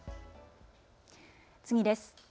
次です。